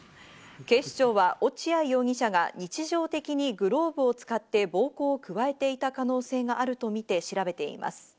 警視庁は落合容疑者が日常的にグローブを使って暴行を加えていた可能性があるとみて調べています。